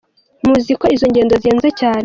Muzi ko izo ngendo zihenze cyane.